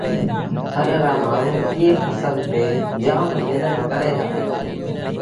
ٿر رآ مآڻهوٚݩ ايئي ڦسل تي جآم مهنت ڪريݩ دآ۔